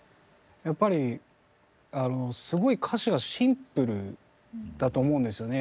やっぱりすごい歌詞がシンプルだと思うんですよね